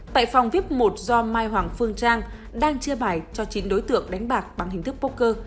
tại phòng viết một do mai hoàng phương trang đang chia bài cho chín đối tượng đánh bạc bằng hình thức poker